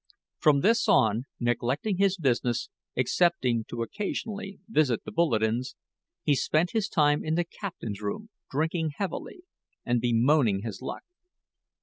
From this on, neglecting his business excepting to occasionally visit the bulletins he spent his time in the Captain's room drinking heavily, and bemoaning his luck.